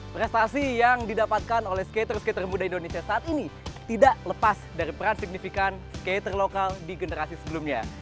prestasi yang didapatkan oleh skater skater muda indonesia saat ini tidak lepas dari peran signifikan skater lokal di generasi sebelumnya